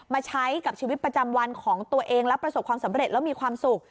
มาใช้กับชีวิตประจำวันของตัวเองและประสบความสำเร็จแล้วมีความสุข